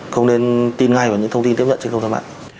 không nên tin ngay vào những thông tin tiếp nhận trên thông tin mạng